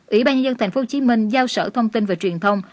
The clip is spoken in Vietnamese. ủy ban nhân dân thành phố hồ chí minh giao sở thông tin về truyền thông